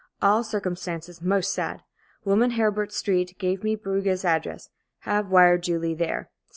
All circumstances most sad. Woman Heribert Street gave me Bruges address. Have wired Julie there."